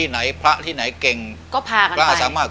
มันเหมือนกับเรามีที่พึ่งทางใจนะครับ